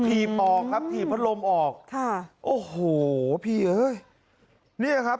ถีบออกครับถีบพัดลมออกค่ะโอ้โหพี่เอ้ยเนี่ยครับ